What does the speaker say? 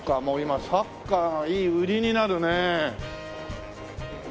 もう今サッカーがいい売りになるね。